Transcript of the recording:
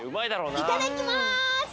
いただきます。